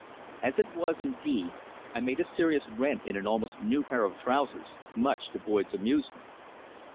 As it was, indeed, I made a serious rent in an almost new pair of trousers, much to Boyd's amusement.